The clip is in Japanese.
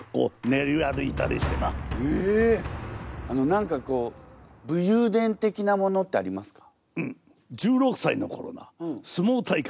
何かこう武勇伝的なものってありますか？